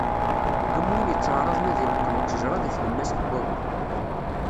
Am win yetteɛraḍen ad ileqqem ttejra deg tlemmast n wagu.